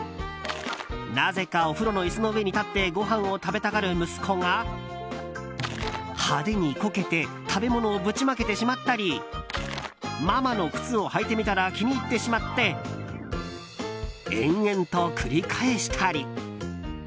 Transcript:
なぜかお風呂の椅子の上に立ってごはんを食べたがる息子が派手にコケて食べ物をぶちまけてしまったりママの靴を履いてみたら気に入ってしまって延々と繰り返したり。